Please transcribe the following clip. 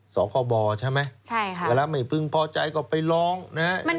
สองข้อบอใช่ไหมเวลาไม่พึงพอใจก็ไปร้องนะครับ